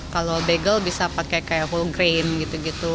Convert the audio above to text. kalau bagel bisa pakai kayak full grain gitu gitu